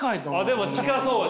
でも近そう。